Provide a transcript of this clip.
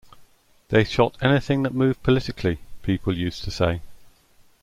"They shot anything that moved politically," people used to say.